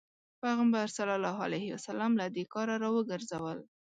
پيغمبر ص له دې کاره راوګرځول.